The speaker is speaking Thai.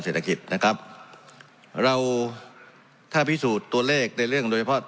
เศรษฐกิจนะครับเราถ้าพิสูจน์ตัวเลขในเรื่องโดยเฉพาะ